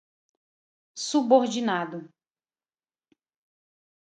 subordinado